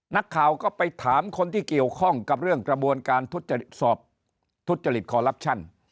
นักข่าวก็ไปถามคนที่เกี่ยวข้องกับเรื่องกระบวนการทุจริตสอบทุจริตคอลลับชั่น